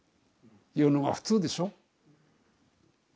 言うのが普通でしょ。